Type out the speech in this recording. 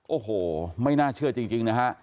โอ้โหไม่น่าเชื่อจริงนะฮะ